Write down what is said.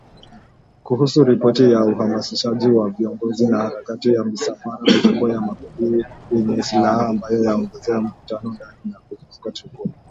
Kuhusu ripoti ya uhamasishaji wa vikosi na harakati za misafara mikubwa ya makundi yenye silaha ambayo yameongeza mvutano ndani na kuzunguka Tripoli.